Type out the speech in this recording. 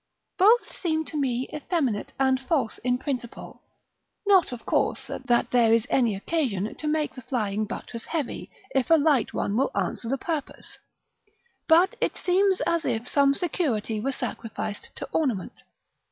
Both seem to me effeminate and false in principle; not, of course, that there is any occasion to make the flying buttress heavy, if a light one will answer the purpose; but it seems as if some security were sacrificed to ornament.